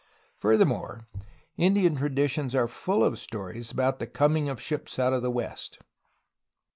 Furthermore, Indian traditions are full of stories about the coming of ships out of the west.